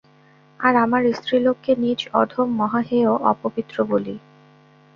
আর আমরা স্ত্রীলোককে নীচ, অধম, মহা হেয়, অপবিত্র বলি।